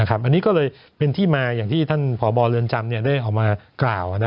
อันนี้ก็เลยเป็นที่มาอย่างที่ท่านพบเรือนจำได้ออกมากล่าว